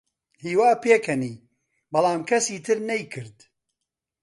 هیوا پێکەنی، بەڵام کەسی تر نەیکرد.